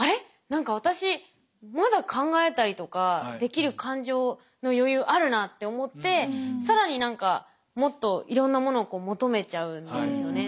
何か私まだ考えたりとかできる感情の余裕あるなって思って更に何かもっといろんなものをこう求めちゃうんですよね。